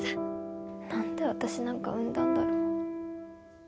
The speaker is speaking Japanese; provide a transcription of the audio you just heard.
なんで私なんか産んだんだろう。